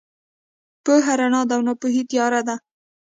پوهه رڼا ده او ناپوهي تیاره ده.